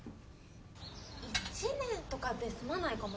１年とかで済まないかもしれない。